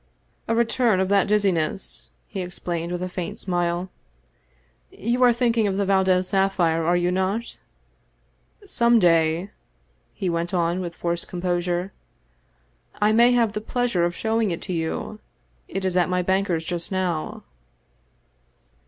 " A return of that dizziness," he explained with a faint smile. " You are thinking of the Valdez sapphire, are you not ? Some day," he went on with forced composure, " I may have the pleasure of showing it to you. It is at my banker's just now."